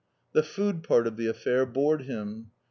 The food part of the affair bored him.